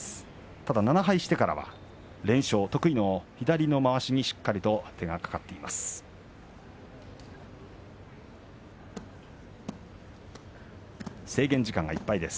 ただ、７敗してからは連勝、得意の左のまわしにしっかりと手がかかっています。